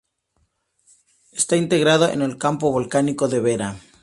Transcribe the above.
Está integrado en el campo volcánico de Vera.